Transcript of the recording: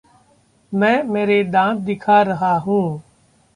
मैं मेरे दाँत दिखा रहा हूँ।